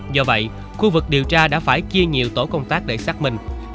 do vậy khu vực điều tra đã phải chia nhiều tổ công tác để xác minh